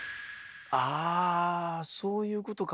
あーそういうことか。